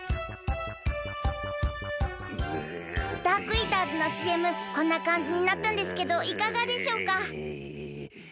ダークイーターズのＣＭこんなかんじになったんですけどいかがでしょうか？